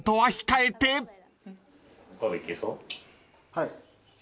はい。